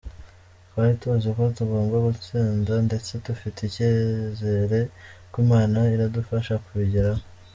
Twari tuzi ko tugomba gutsinda ndetse dufite icyizere ko Imana iradufasha kubigeraho.